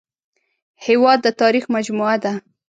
هېواد د تاریخ مجموعه ده